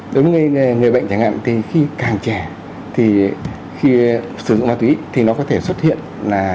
đối với người bệnh chẳng hạn thì khi càng trẻ thì khi sử dụng ma túy thì nó có thể xuất hiện là